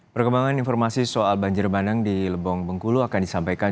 perkembangan informasi soal banjir bandang di lebong bengkulu akan disampaikan